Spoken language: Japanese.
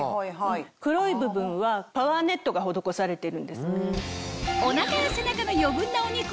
黒い部分はパワーネットが施されているんです。